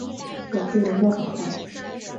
表示仍在榜上